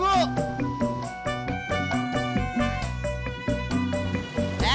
dia dia sih kz ali